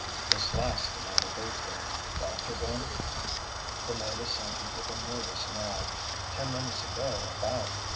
This last demanded briefly: "Doctor been?" The maid assented with a nervous nod: "Ten minutes ago, about.